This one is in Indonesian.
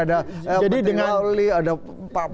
ada putri lauli ada pak pak vud